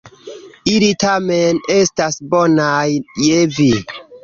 Ili tamen estas bonaj je vi.